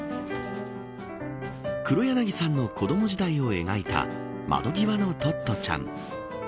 黒柳さんの子ども時代を描いた窓ぎわのトットちゃん。